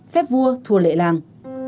phép vua thua lệ làng